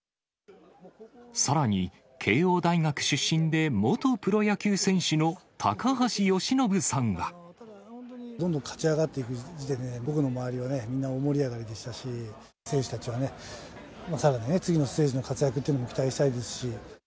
さらに慶応大学出身で元プロどんどん勝ち上がっていって、僕の周りもみんな、大盛り上がりでしたし、選手たちはね、さらに次のステージでの活躍っていうのも期待したいですし。